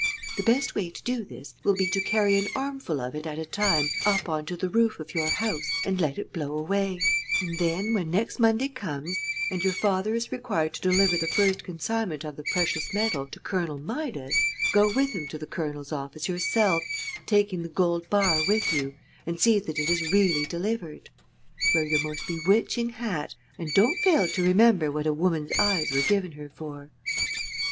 The best way to do this will be to carry an armful of it at a time up on to the roof of your house and let it blow away; and then, when next Monday comes, and your father is required to deliver the first consignment of the precious metal to Colonel Midas, go with him to the Colonel's office, yourself, taking the gold bar with you, and see that it is really delivered. Wear your most bewitching hat, and don't fail to remember what a woman's eyes were given her for."